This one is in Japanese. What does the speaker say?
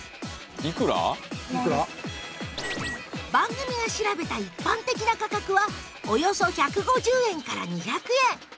番組が調べた一般的な価格はおよそ１５０円から２００円